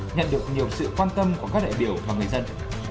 nhận được nhiều sự quan tâm của các đại biểu và người dân